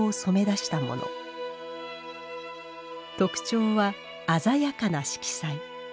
特徴は鮮やかな色彩。